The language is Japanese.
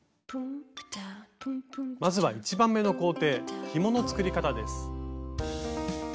まずは１番目の行程ひもの作り方です。